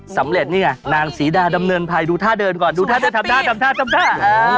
สำเร็จนี่ไงนางศรีดาดำเนินภัยดูท่าเดินก่อนดูท่าจะทำท่าทำท่าทำท่า